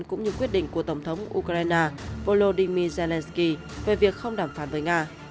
cũng như quyết định của tổng thống ukraine volodymyr zelensky về việc không đàm phán với nga